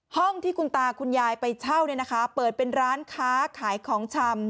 ห้องที่คุณตาคุณยายไปเช่าเนี่ยนะคะเปิดเป็นร้านค้าขายของชำ